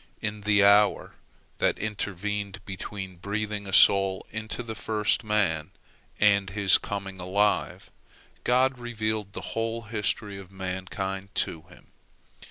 In the hour that intervened between breathing a soul into the first man and his becoming alive, God revealed the whole history of mankind to him.